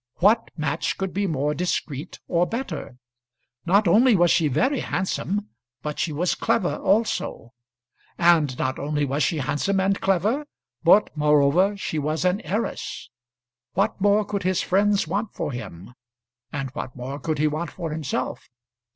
What match could be more discreet or better? Not only was she very handsome, but she was clever also. And not only was she handsome and clever, but moreover she was an heiress. What more could his friends want for him, and what more could he want for himself?